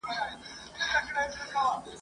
ستا به مي نوم هېر وي زه به بیا درته راغلی یم ..